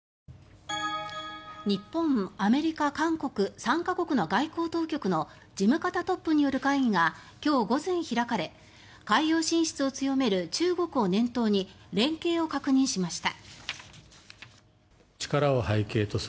日本、アメリカ、韓国３か国の外交当局の事務方トップによる会議が今日午前開かれ海洋進出を強める中国を念頭に連携を確認しました。